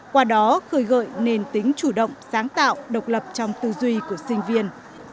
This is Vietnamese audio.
qua đó khơi gợi nền tính chủ động sáng tạo độc lập trong tư duy của sinh viên